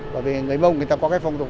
bởi vì người mông người ta có cái phòng tục